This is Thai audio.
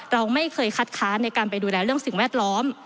เราไม่เคยคัดค้านในการไปดูแลเรื่องสิ่งแวดล้อม